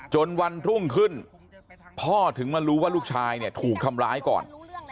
วันรุ่งขึ้นพ่อถึงมารู้ว่าลูกชายเนี่ยถูกทำร้ายก่อน